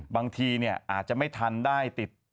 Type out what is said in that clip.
บางทีอาจจะไม่ทันได้ติด